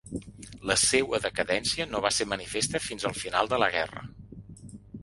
La seua decadència no va ser manifesta fins al final de la guerra.